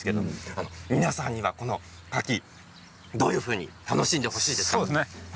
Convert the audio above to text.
皆さんには、この柿どういうふうに楽しんでほしいですか？